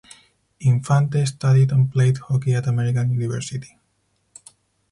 Infante studied and played hockey at American University.